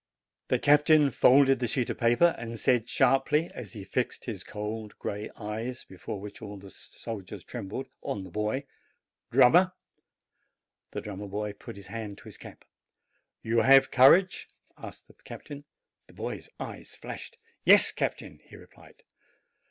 ioo JANUARY The captain folded the sheet of paper, and said sharply, as he fixed his cold, gray eyes, before which all the soldiers trembled, on the boy : "Drummer!" The drummer boy put his hand to his cap. 'You have courage?" asked the captain. The boy's eyes flashed. 'Yes, captain," he replied.